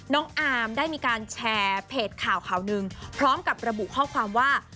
น้องอาร์มได้มีการแชร์เพจข่าวข่าวหนึ่งพร้อมกับระบุข้อความว่า